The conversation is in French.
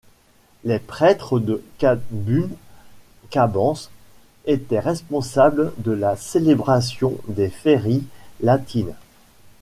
Les prêtres de Cabum Cabenses étaient responsables de la célébration des féries latines.